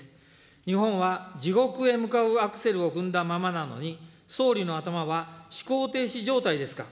日本は地獄へ向かうアクセルを踏んだままなのに、総理の頭は思考停止状態ですか。